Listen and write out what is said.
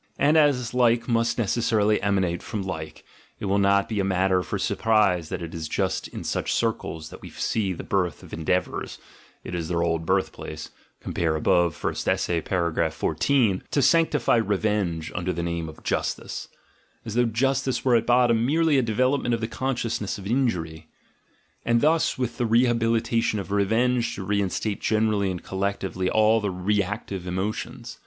And as like must necessarily emanate from like, it will not be a matter for surprise that it is just in such circles that we see the birth of endeavours (it is their old birthplace — compare above, First Essay, paragraph 14), to sanctify revenge under the name of justice (as though Justice were at bottom merely a development of the consciousness of injury), and thus with the rehabilitation of revenge to reinstate generally and collectively all the reactive emo tions.